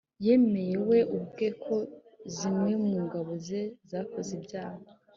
yemeye we ubwe ko zimwe mu ngabo ze zakoze ibyaha